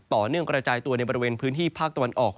ต่อเนื่องกระจายตัวในบริเวณพื้นที่ภาคตะวันออก